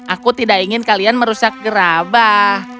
aku tidak ingin kalian merusak gerabah